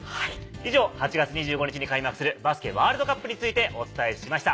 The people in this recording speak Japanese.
以上８月２５日に開幕するバスケワールドカップについてお伝えしました。